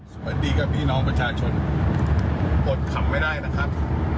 สวัสดีกับพี่น้องประชาชนอดขำไม่ได้นะครับ